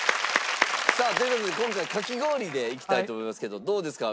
さあという事で今回かき氷でいきたいと思いますけどどうですか？